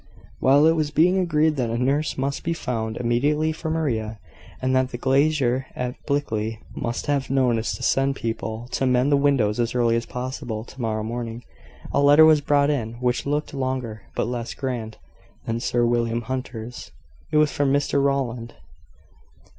While it was being agreed that a nurse must be found immediately for Maria, and that the glazier at Blickley must have notice to send people to mend the windows as early as possible to morrow morning, a letter was brought in, which looked longer, but less grand, than Sir William Hunter's. It was from Mr Rowland.